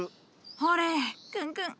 ほれクンクン。